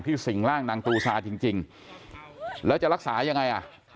สิ่งร่างนางตูซาจริงแล้วจะรักษายังไงอ่ะ